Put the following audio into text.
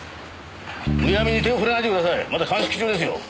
むやみに手を触れないでくださいまだ鑑識中ですよ！